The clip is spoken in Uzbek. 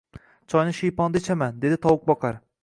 – Choyni shiyponda ichaman, – dedi tovuqboqar